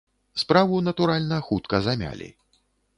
Справу, натуральна, хутка замялі.